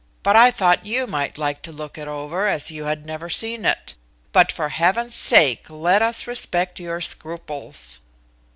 But I thought you might like to look it over, as you had never seen it. But for heaven's sake let us respect your scruples!"